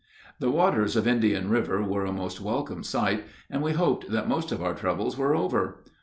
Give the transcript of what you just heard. The waters of Indian River were a most welcome sight, and we hoped that most of our troubles were over.